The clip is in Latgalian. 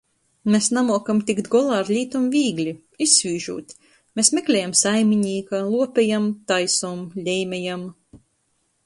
Mes namuokam tikt golā ar lītom vīgli - izsvīžūt. Mes meklejam saiminīka, luopejam, taisom, leimejam.